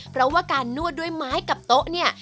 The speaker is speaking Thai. เพราะว่าการนวดด้วยไม้กับโต๊ะเนี่ย